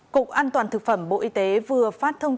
cục an toàn thực phẩm bộ y tế vừa phát thông